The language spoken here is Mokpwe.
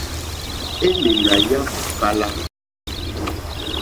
Élèlà yá mòkálá.